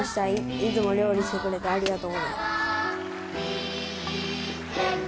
「いつも料理してくれてありがとう」